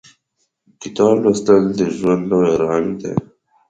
• کتاب لوستل، د ژوند نوی رنګ ورکوي.